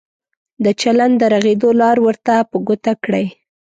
د چلند د رغېدو لار ورته په ګوته کړئ.